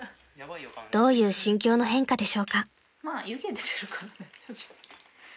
［どういう心境の変化でしょうか］